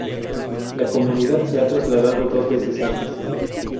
La comunidad se ha trasladado dos veces antes.